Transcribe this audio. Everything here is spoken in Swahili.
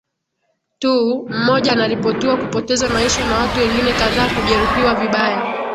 tu mmoja anaripotiwa kupoteza maisha na watu wengine kadhaa kujeruhiwa vibaya